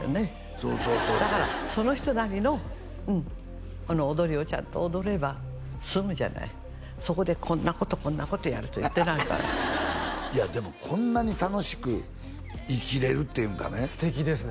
そうそうそうそうだからその人なりのうんこの踊りをちゃんと踊れば済むじゃないそこでこんなことこんなことやると言ってないからいやでもこんなに楽しく生きれるっていうんかね素敵ですね